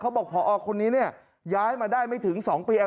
บอกพอคนนี้เนี่ยย้ายมาได้ไม่ถึง๒ปี